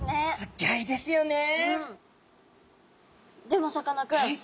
でもさかなクン